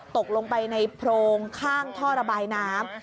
ตกลงไปในโพรงข้างท่อระบายน้ำ